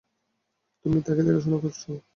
তুমি কাকে দেখাশোনা করছ?